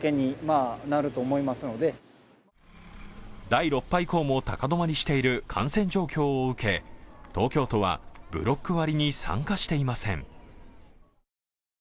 第６波以降も高止まりしている感染状況を受け東京都はブロック割に参加していません。